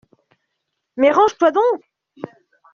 Mais range-toi donc !